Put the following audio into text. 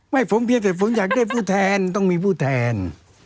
ผมเพียงแต่ผมอยากได้ผู้แทนต้องมีผู้แทน